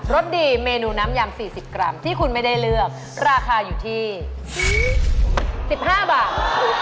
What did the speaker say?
สดีเมนูน้ำยำ๔๐กรัมที่คุณไม่ได้เลือกราคาอยู่ที่๑๕บาท